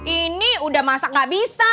ini udah masak gak bisa